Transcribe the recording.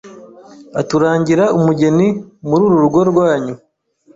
aturangira umugeni muri uru rugo rwanyu